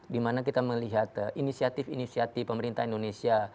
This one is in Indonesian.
di mana kita melihat inisiatif inisiatif pemerintah indonesia